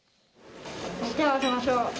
手を合わせましょう。